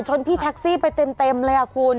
พี่แท็กซี่ไปเต็มเลยคุณ